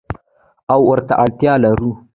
او ورته اړتیا لرو.